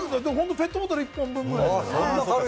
ペットボトル１本分くらい。